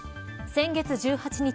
先月１８日